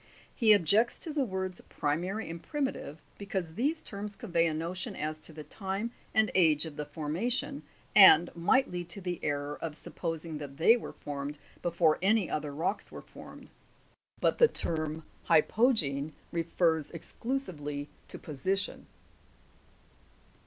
He objects to the words primary and primitive, because these terms convey a notion as to the time, and age of the formation, and might lead to the error of supposing that they were formed before any other rocks were formed, but the term hypo' gene refers exclusively to position.